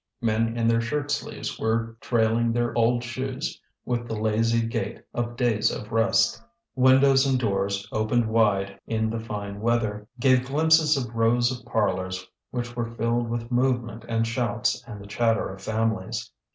Men in their shirt sleeves were trailing their old shoes with the lazy gait of days of rest. Windows and doors, opened wide in the fine weather, gave glimpses of rows of parlours which were filled with movement and shouts and the chatter of families.